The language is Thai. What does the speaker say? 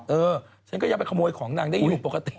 เออฉันก็ยังไปขโมยของนางได้อยู่ปกติ